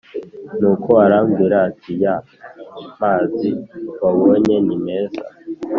Nuko arambwira ati Ya mazi wabonye ni meza